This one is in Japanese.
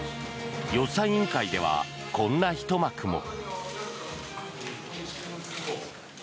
予算委員会ではこんなひと幕も。